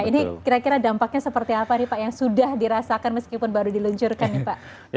ini kira kira dampaknya seperti apa nih pak yang sudah dirasakan meskipun baru diluncurkan nih pak